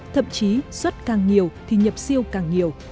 thậm chí xuất càng nhiều thì nhập siêu càng nhiều